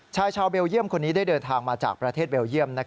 ชายชาวเบลเยี่ยมคนนี้ได้เดินทางมาจากประเทศเบลเยี่ยม